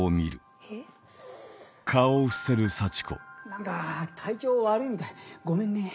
何か体調悪いみたいごめんね。